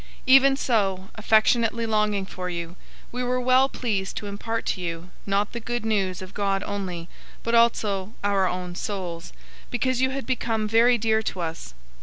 002:008 Even so, affectionately longing for you, we were well pleased to impart to you, not the Good News of God only, but also our own souls, because you had become very dear to us.